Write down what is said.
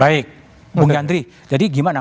baik bung yandri jadi gimana